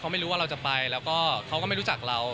ไม่รู้ว่าเราจะไปแล้วก็เขาก็ไม่รู้จักเรา